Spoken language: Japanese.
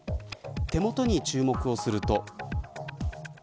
手元に注目をすると。